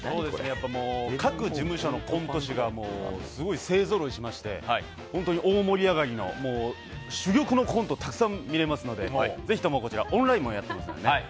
各事務所のコント師が勢ぞろいしまして本当に大盛り上がりの珠玉のコントがたくさん見れますので、こちらオンラインもやっていますので。